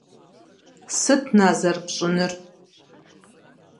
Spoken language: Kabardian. - Сыт, на, зэрыпщӀынур?